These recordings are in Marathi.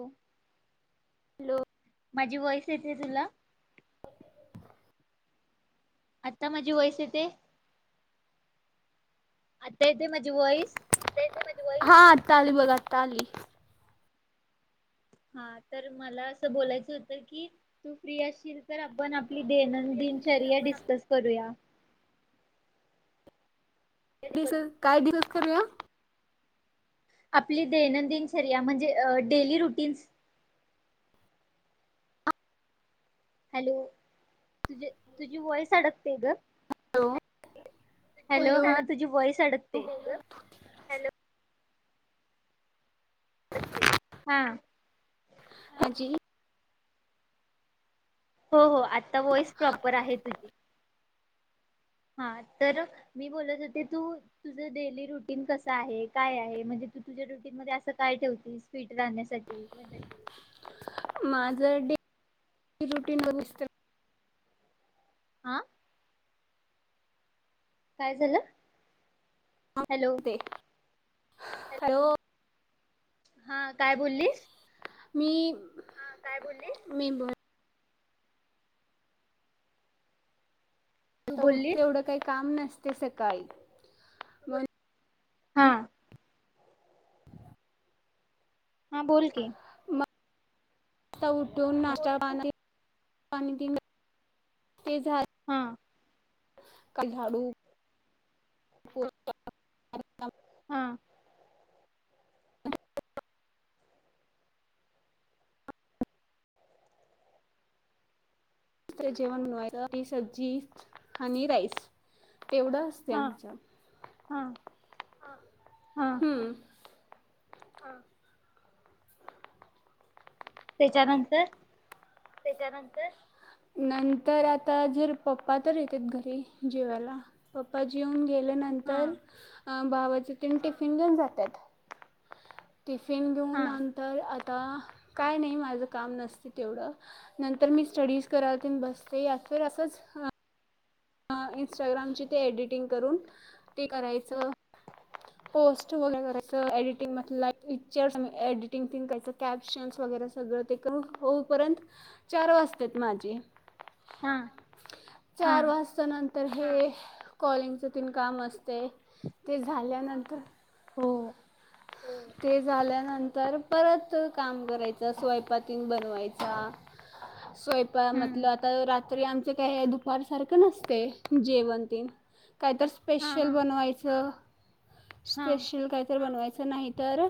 हो. हॅलो! माझी वॉइस येते तुला? आता माझी वॉईस येते आता येते. ते माझी वॉईस? आता बोली आता आली. हा तर मला असं बोलायचं होतं की तू फ्री असशील? तर आपण आपली दैनंदिन चर्य डिस्कस करूया. दिस काय डिसकस करूया. आपली दैनंदिन चर्या म्हणजे डेली रुटीन्स. हॅलो तुझे तुझी वॉइस अडकते ग? हो! हॅलो हा तुझी वॉईस अडकते? [inaudible] हा! माझी हो हो आता वॉइस प्रॉपर आहे तुझी. हा तर मी बोलत होते तू तुझं डेली रुटीन कसं आहे काय आहे म्हणजे तू तुझ्या रुटीनमध्ये असं काय ठेवते स्वी माझं डे रुटीन नविस्त आह काय झालं हॅलो हो हा काय बोललीस मी काय बोलले मी ब आता उठे एवढं काही काम नसते सकाळी मण हा हा बोल क ता उठून नाश््या पा ते झा हा कालनाडू हो [unintelligible] हा मत्र जेवणनवाय ह सब्जी आणि राईस [unintelligible] एवढं असते आमच्या हम्म ह [unintelligible] त्याच्यानंतर त्याच्यानंतर नंतर आता जर पप्पा तर येतात घरी जेवायला पप्पा जेवून केल्यानंतर भावाची पन टिफिन घेऊन जातात टिफिन घेऊन नंतर आता काय नाही माझं काम नसत तेवढं नंतर मी स्टडीज कराय ते बसते यात फर असंच इन्स्टाग्रामची ते एडिटिंग करून ते करायचं पोस्ट वगैरे करायचं एडिटिंग म पिक्चर एडिटिंग कयच कॅप्शन वगैरे सगळ ते कर होऊपर्यंत चार वाजतात माझे चार वाजत नंतर हे कॉलिंगचं तीन काम असतय ते झाल्यानंतर हो ते झाल्यानंतर परत काम करायचं स्वयपाक तेन बनवायचा [inaudible] स्वयंपाक म्हटल आता रात्री आमचं काही दुपार सारखं नसते जेवण तन कायतर स्पेशल बनवायचं स्पेशल कायतर बनवायचं असं नाही तर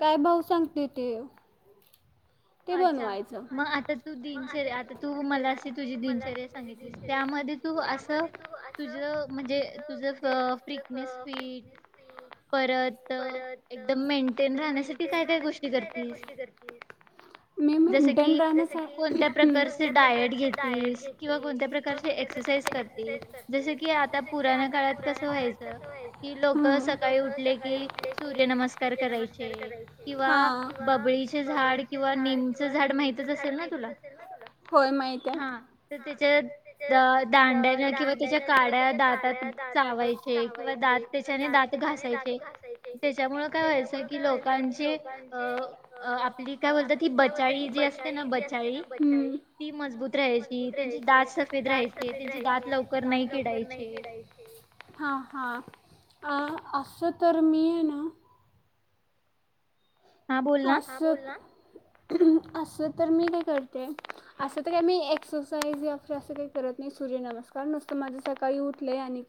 काय भाऊ सांगगोय ते अच्छा मग आता तू दिनचर्या आता तू मला अशी तुझी दिनचर्या सांगितलीस त्या म्हणजे तु अस तूझ म्हणज तुझ क प्रीकनेस परत एकदम मेंटेन राहण्यासाठी काय काय गोष्टी करतेस जस की कोणत्या प्रकारचे डायट घेतीस किंवा कोणत्या प्रकार एक्सरसाइज करते जस की आता पुराण काळात कसं व्हायचं की लोक सकाळी उ ऊठले की सूर्य नमस्कार करायचे किंवा बबळीचे झाड किंवा नीमचं झाड माहितच असेल ना तुला हा तर त्याच्या दांड्याने किंवा त्याच्या काड्या दातात चावायचे किंवा दात त्याच्याने दात घा घासायचे त्याच्यामुळे काय व्हायचं की लोकांची आपली काय बोलततात ती बचाळी जी असते ना बचाळी ती मजबूत राहायची त्यांची दात सफेद राहायचे त्यांची दात लवकर नाही किडायचे हां हां असस तरर् मी ना अस अस तर मी काय करते असं तर काही मी एक्सरसाईज या फ असं काही करत नाही सूर्य नमस्कार नुसतं माझं सकाळी उठलंय आणि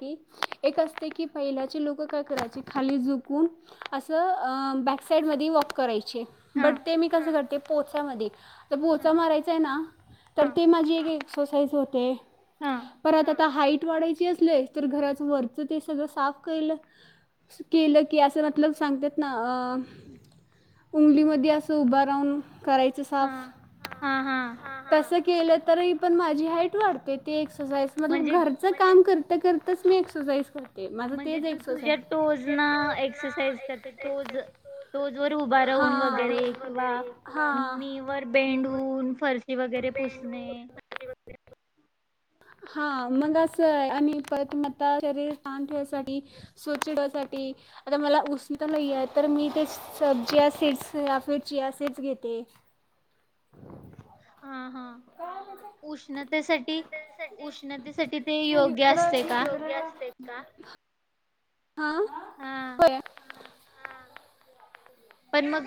एक असत की पहिलाची लोक काय करायचे खालीुून अस साईड मध्ये वॉ करायचे बट ते मी कसं करते पोचामध्ये तर पोचा मारायचाय ना तर ते माझी एक एक्सरसाइज होते पर आ आता हाईट वाढायची असल तर घराच वरच ते सगळं साफ केलं केलं की असं मतलब सांगतात ना अ उमलीमध्ये अस उभं राहून करायचं साफ तस केलं तरी पण माझी हाईट वाढते ती एक्सरसाइज मग घरच काम करता कर तसली एक्सरसाईज करते म्हणजे तू तुझ्या टोज ना एक्सरसाईज करते टोज टोज वर ऊभा राहून वैगरे किंवा ना वर बेंड हुन वगैरे पुसणे हा मग असं आहे आम्ही परतमता शरीर सथ ठेयसाठी स्वच ठेवायसाठी ता मला उस तर ल तर मी ते सजे घेत ते हा हा. उष्णतेसाठी उष्णतेसाठी ते योग्य असते का? हा हो पण मग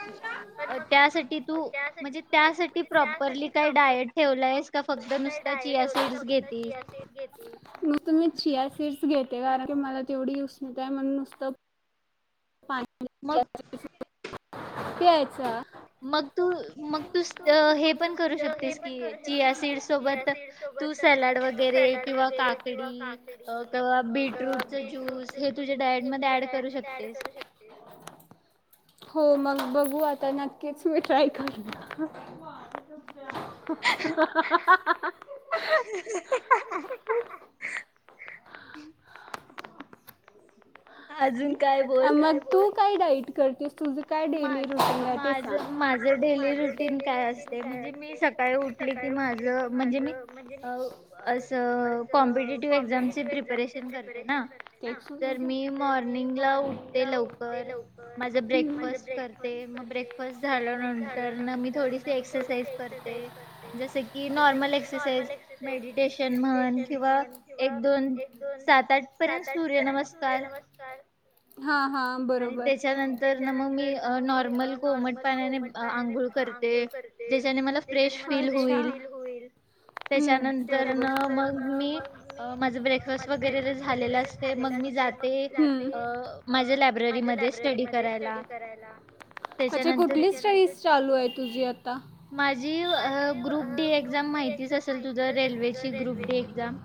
त्यासाठी तू म्हणजे त्यासाठी प्रॉपरली काय डायट ठेवलायस. ली काय डायट ठेवला आहे जिया सीड्स घेत मग तुम्ही जिया सीड्स घेते कारण की मला तेवढी उष्णता म्हण नुसतं. तेच मग तू मग तू हे पण करू शकतेस की जिया सिड सोबत तू सलाड वगैरे किंवा काकडी किंवा बीटरूटच ज्यूस हे तुझ्या डायट म ऍड करू शकतेस. हो मग बघू आता नक्कीच मी ट्राय कर. [inaudible] [inaudible] मग तू काय डाईट करतेस? माझ माझ डेली रुटीन काय असते म्हणजे मी सकाळी डीपी माझं म्हणजे मी कॉम्पिटिटिव्ह एक्झाम प्रेपरेशन करते ना जर मी मॉर्निंगला उठते लवकर माझ ब्रेक ब्रेफास्ट करते मग ब्रेकफास्ट झाल्यानंतर ना मी थोडीशी एक्सरसाइज करते जसे की नॉर्मल एक्सरसाइज मेडिटेशन म्हण किंवा एक दोन आता आ पर्यंत सूर्य नमस्कार हा हा बरोबर नॉर्मल कोमट पाण्याने अंघोळ करते त्याच्याने मला फ्रेश फील फ्रेश फील होईल त्याच्यानंतर मग मी माझ ब्रेकफास्ट वगैरे झालेलं असते मग मी मग मी जाते लायब्ररीमध्ये स्टडी करायला स्टडी करायला अच्छा कुठली स्टडीज चालू आहे तुझी आता? माझी ग्रुप डी एक्झाम माहितीच असेल तुझ रेल्वेची ग्रुप डी एक्झाम.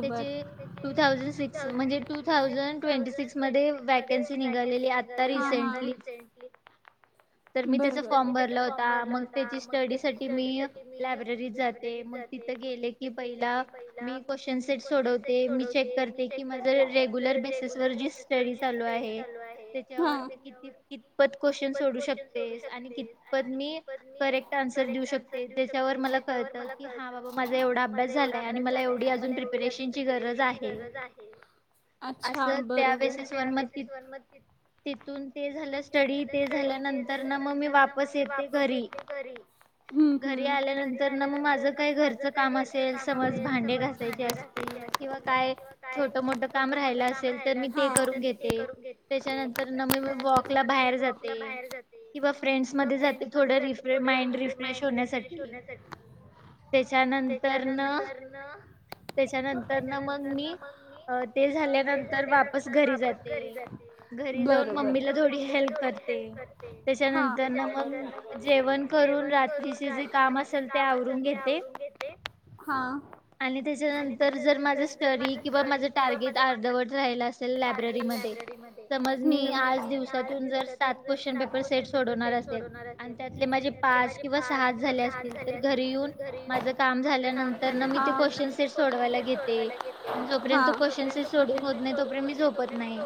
त्याचे डू थसूजईन सिक्स म्हणजे टू थउड ट्वेंटी सिक्स मध्ये वॅकन्सी निघालेली आता रिसेंटली तर मी त्याचा फॉर्म भरला होता मग त्याची स्टडी साठी मी लायब्ररीत जाते. तिथे गेले की पहिला मी क्वेश्चन सेट सोडवते मी चेक करते की माझं रेगुलर र बेसिस व जी स्टडी चालू आहे. तिच्यावर मी किती कितपत कोशन सोडू शकतेस आणि कितपत्नी करेक्ट आन्सर देऊ शकती त्यावर मला कळ की हा बा माझा एवढा अभ्यास झालाय आणि मला एवढी अजून प्रिपेरेशन डिप्रेशन ची गरज आहे अच्छा बार बार मग त्या बेसिसवर मग ती तिथून ते झालं स्टडी ते झाल्यानंतर ना मग मी वापस येते घरी. घरी आल्यानंतर ना मग माझं काही घरचं काम असेल समज भांडे घासायचे असतील. किंवा काय छोट मोठ काम रायला असेल तर मी ते करून घेते त्याच्यानंतर तर न मी वॉकला बाहेर जाते किंवा फ्रेंड्स मध्ये जाते थोडं रिफ्रेश माईंड रिफ फ्रेश होण्यासाठी त्याच्यानंतर न त्याच्यानंतर ना मग मी ते झाल्यानंतर वापस घरी जाते घरी मम्मीला थोडी हेल्प करते त्याच्यानंतर मग जेवण करून रात्री जे काम असेल ते आवरून घेते. आणि त्याच्यानंतर जर माझ स्टडी किंवा माझं टार्गेट अर्धवट राहिल असेल लायब्ररी तर मग मी आज दिवसून ज सात क्वेश्चन पेपर सेट सोड असेल आणि त्यातले माझे पाच, किंवा सात झाल्या असतील तर घरी येऊन माझं काम झाल्यानंतर न मी ते क्वेशचन सेट सोड वायला घेते आण जोपर्यंत कयूएसशन स सोडून होत नाही तोपर्यंत मी झोपत नाही.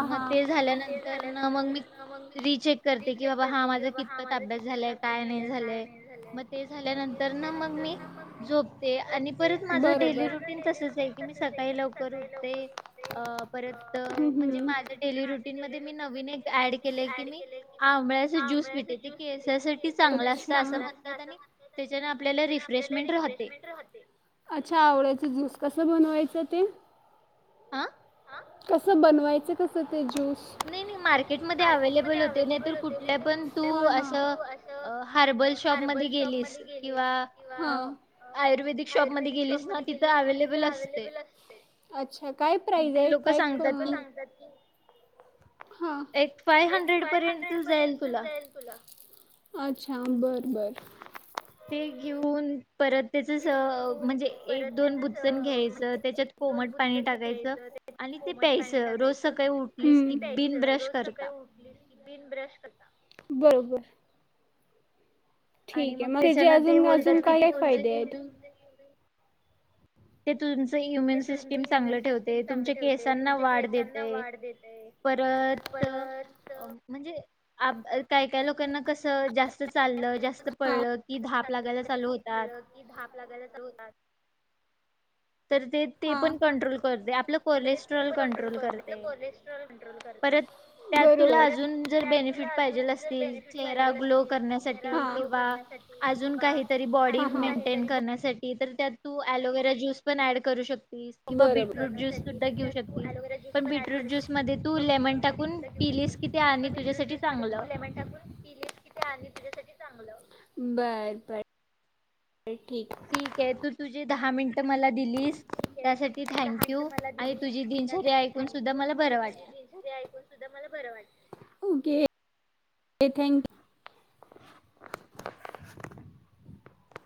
मग ते झाल्यानंतर मग मी. रीचेक करते की बाबा हा माझा कितपत अभ्यास झालाय काय नाही झालय मग ते झाल्या नंतर नर मग मी झोपते आणि परत माझं डेली रुटीन तसच आहे की मी सकाळी लवकर. ते परत म्हणजे. माझ्या डेली रुटीन मधी नवीन ऍड केय की मी आंबळ्या ज्यूस पिते ती केस साठी चांगल असत असं म्हणत्यात आणि त्याच्याणी आपल्याला रि्रेशमें राहते. अच्छा आवडायच ज्यूस कस बनवायचं ते. आह. कसं बनवायचं कसं. स मार्केट म अवलेबल होतेू अस. हर्बल शॉप म गेली किंवा आयुर्वेदिक शॉप मध्ये गेलीस तीत अवलंबले असते. अच्छा काय प्राइज आहे काय कम. ह फाई हॅन्ड्रेड पर्यंत जाईल तुला अच्या. हां बरं बरं. ते घेऊन. परत त्याच म्हणजे एक दोन भुचचन घ्यायचं त्याच्यात कोमट पाणी टाकायचं. कोमट पाणी टाकायचं आणि पयच रोज सकाळी उठली की बिन ब्रश करता. बरोबर ठीक आहे मग त्याचे अजून अजून काय काय फायदे आहेत. ते तु. इम्यन सिस्टीम चांगलं ठेवते तुमच्या केसांना वाढ देतय परत, म्हणजे काय काय लोकांना कस जास्त चाललं जास्त पळल की धाप लागायला चालू होतात. धाप लागायला चालू होतात. तर ते ते पण कंट्रोल करते आपलं कोलेस्ट्रॉल कंट्रोल करते. त्यात तु अजून जर बेनिफिट पाहिजेल असतील, चेहारा ग्लो करण्या साठी किंवा अज काहीतरी बॉडी मेंटेन करण्यासाठी. तर त्यात तू अलोवेरा ज्यूस पण ऍड करू शकतेस किंवा बीटरूट ज्यूस सुद्धा घेऊ शकतेस. पण बीटरूट ज्यूस मध्ये तू लेमन टाकून पिलीस किथ आणि तुझ्यासाठी चांगलं. ह. [unintelligible] तुझ्यासाठी चांगलं बर बर. ठीक आहे तू तुझे दहा मिनट मला दिलीस. त्यासाठी थँक यू आणि तुझी दिनचर््या ऐकून सुद्धा मला बरं वाटतं. [inaudible] Okay thank you. [inaudible]